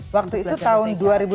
waktu itu tahun dua ribu sebelas